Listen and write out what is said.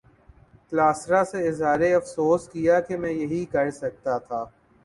کلاسرا سے اظہار افسوس کیا کہ میں یہی کر سکتا تھا۔